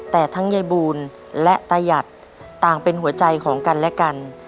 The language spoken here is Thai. แต่ทั้งยายบูลและตะหยัดต่างเป็นหัวใจของกันและกัน